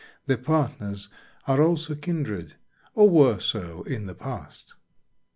The partners are also kindred, or were so, in the past.